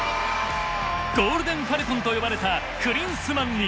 「ゴールデンファルコン」と呼ばれたクリンスマンに。